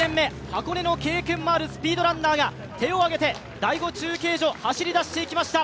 箱根の経験もあるスピードランナーが手を挙げて第５中継所走り出していきました。